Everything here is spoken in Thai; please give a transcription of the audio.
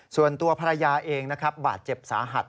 ส่วนตัวภรรยาเองบาดเจ็บสาหัส